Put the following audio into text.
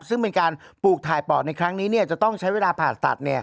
ซึ่งเป็นการปลูกถ่ายปอดในครั้งนี้จะต้องใช้เวลาผ่าตัด